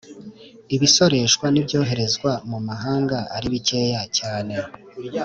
ibisoreshwa n'ibyoherezwa mu mahanga ari bikeya cyane,